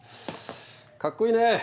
かっこいいね。